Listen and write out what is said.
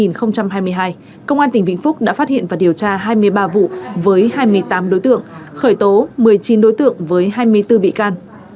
năm hai nghìn hai mươi hai công an tỉnh vĩnh phúc đã phát hiện và điều tra hai mươi ba vụ với hai mươi tám đối tượng khởi tố một mươi chín đối tượng với hai mươi bốn bị can